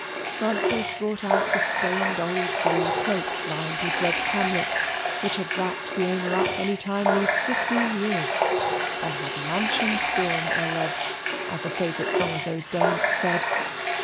Francis brought out the stained old blue cloak lined with red camlet, which had wrapped the owner up any time these fifteen years, and had manchen Sturm erlebt, as a favourite song of those days said.